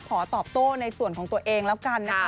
ขอตอบโต้ในส่วนของตัวเองแล้วกันนะคะ